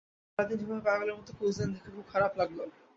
আজকে সারা দিন যেভাবে পাগলের মতো খুঁজলেন, দেখে খুব খারাপ লাগল।